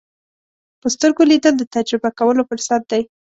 په سترګو لیدل د تجربه کولو فرصت دی